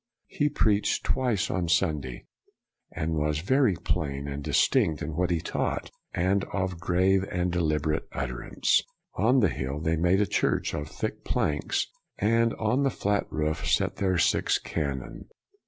He preached twice on Sunday, and was " very plain and dis tinct in what he taught ' and of " grave and deliberate utterance." On the hill they made a church of thick planks, and on the flat roof set their six cannon.